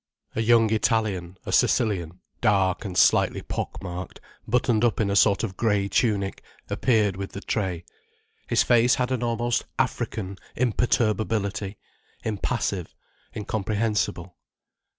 A young Italian, a Sicilian, dark and slightly pock marked, buttoned up in a sort of grey tunic, appeared with the tray. His face had an almost African imperturbability, impassive, incomprehensible.